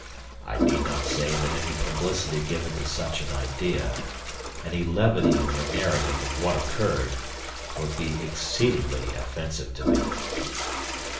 "I need not say that any publicity given to such an idea any levity in your narrative of what occurred would be exceedingly offensive to me."